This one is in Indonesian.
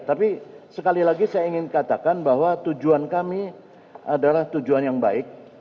tapi sekali lagi saya ingin katakan bahwa tujuan kami adalah tujuan yang baik